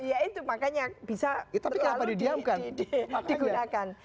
ya itu makanya bisa digunakan